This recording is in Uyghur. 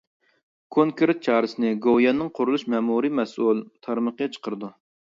كونكرېت چارىسىنى گوۋۇيۈەننىڭ قۇرۇلۇش مەمۇرىي مەسئۇل تارمىقى چىقىرىدۇ.